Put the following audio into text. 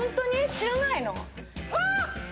知らないの？